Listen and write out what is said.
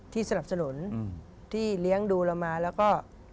สนับสนุนที่เลี้ยงดูเรามาแล้วก็